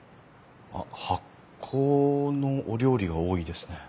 あっ発酵のお料理が多いですね。